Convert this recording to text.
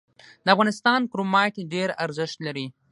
د افغانستان کرومایټ ډیر ارزښت لري